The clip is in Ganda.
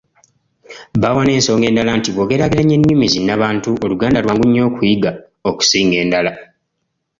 Baawa n'ensonga endala nti bwogeraageranya ennimi zinnabantu Oluganda lwangu nnyo okuyiga okusinga endala.